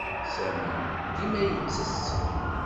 Sami dima yettess.